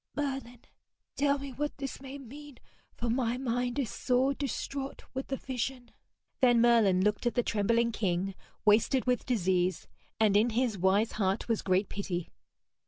Merlin, tell me what this may mean, for my mind is sore distraught with the vision.' Then Merlin looked at the trembling king, wasted with disease, and in his wise heart was great pity.